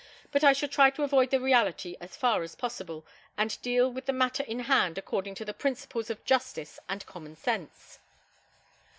But I shall try to avoid the reality as far as possible, and deal with the matter in hand according to the principles of justice and common sense."